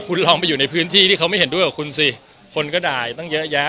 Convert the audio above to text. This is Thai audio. คุณลองไปอยู่ในพื้นที่ที่เขาไม่เห็นด้วยกับคุณสิคนก็ด่ายตั้งเยอะแยะ